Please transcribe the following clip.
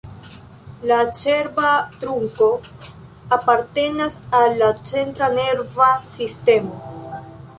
La cerba trunko apartenas al la centra nerva sistemo.